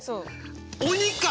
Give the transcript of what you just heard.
鬼か！